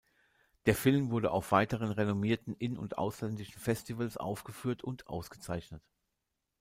Der Film wurde auf weiteren renommierten in- und ausländischen Festivals aufgeführt und ausgezeichnet.